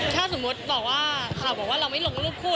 ถ้าสมมติข่าวบอกว่าเราไม่ลงรูปคู่